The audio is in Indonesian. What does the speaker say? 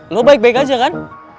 lo baik baik aja kan